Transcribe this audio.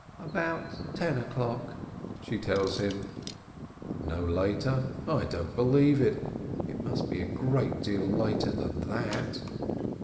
"About ten o'clock," she tells him. "No later? I don't believe it. It must be a great deal later than that."